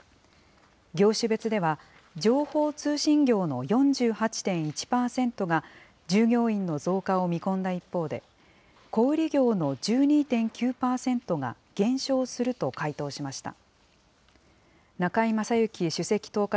業種別では、情報通信業の４８．１％が、従業員の増加を見込んだ一方で、小売業の１２．９％が減少すると回答しました。